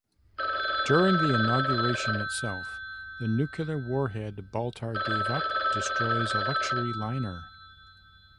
During the inauguration itself, the nuclear warhead Baltar gave up destroys a luxury liner.